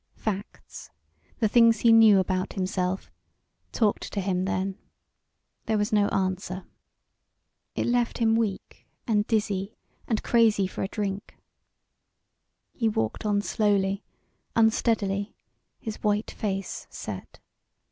Facts, the things he knew about himself, talked to him then. There was no answer. It left him weak and dizzy and crazy for a drink. He walked on slowly, unsteadily, his white face set.